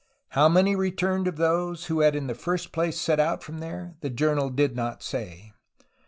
How many re turned of those who had in the first place set out from there the journal did not say.